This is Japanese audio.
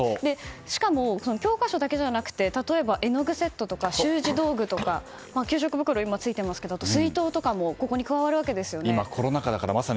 しかも、教科書だけじゃなくて例えば絵の具セットとか習字道具とか給食袋、ついていますけど水筒とかも加わるわけですよね。